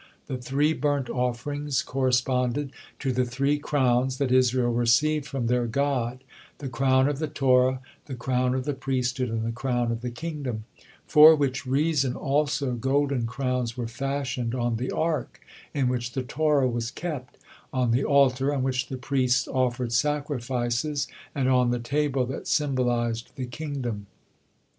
The three burnt offerings corresponded to the three crowns that Israel received from their God, the crown of the Torah, the crown of the Priesthood, and the crown of the Kingdom, for which reason also golden crowns were fashioned on the Ark in which the Torah was kept, on the altar on which the priests offered sacrifices, and on the table that symbolized the kingdom.